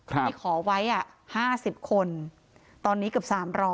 ที่ขอไว้๕๐คนตอนนี้เกือบ๓๐๐